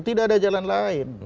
tidak ada jalan lain